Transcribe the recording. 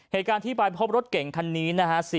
เหตุการณ์ที่ไปพบรถเก่งคันนี้นะฮะ